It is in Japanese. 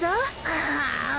ああ。